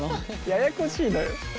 ややこしいのよ。